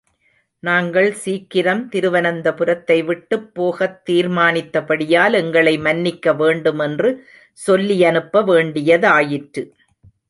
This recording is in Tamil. நாங்கள் சீக்கிரம் திருவனந்தபுரத்தை விட்டுப் போகத் தீர்மானித்தபடியால், எங்களை மன்னிக்க வேண்டுமென்று சொல்லியனுப்ப வேண்டியதாயிற்று.